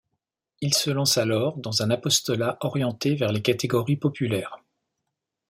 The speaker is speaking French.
Il se lance alors dans un apostolat orienté vers les catégories populaires.